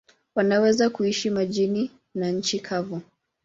Wanaweza kuishi majini na nchi kavu.